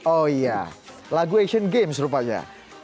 oh iya lagu asian games rupanya